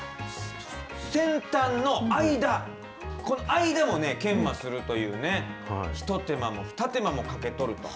先端の間、この間も研磨するというね、ひと手間もふた手間もかけとると。